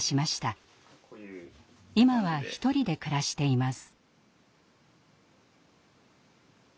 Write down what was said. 今は一人で暮らしています。